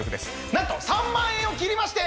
なんと３万円を切りまして。